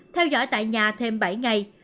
theo dõi tại nhà thêm bảy ngày